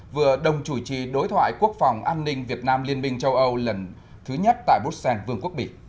vừa đồng chủ trì đối thoại quốc phòng an ninh việt nam liên minh châu âu lần thứ nhất tại bruxelles vương quốc bỉ